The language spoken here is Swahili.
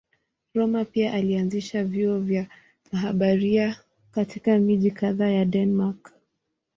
Rømer pia alianzisha vyuo kwa mabaharia katika miji kadhaa ya Denmark.